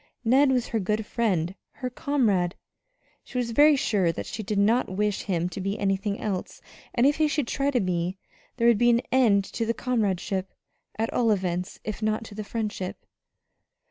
Ned was her good friend her comrade. She was very sure that she did not wish him to be anything else; and if he should try to be there would be an end to the comradeship, at all events, if not to the friendship.